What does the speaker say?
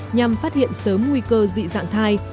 nhằm phát hiện sớm nguy cơ dị dạng thai